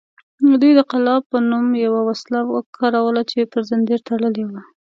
دوی د قلاب په نوم یوه وسله کاروله چې پر زنځیر تړلې وه